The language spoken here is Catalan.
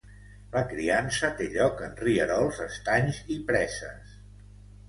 La criança té lloc en rierols, estanys i preses.